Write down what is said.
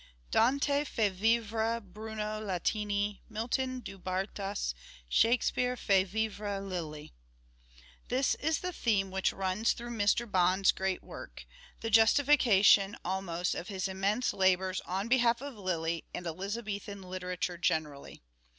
Dante fait vivre Brunetto Latini, Milton du Bartas ; Shakespeare fait vivre Lyly " This is the theme which runs through Mr. Bond's great work ; the justification almost of his immense labours on behalf of Lyly and Elizabethan literature generally.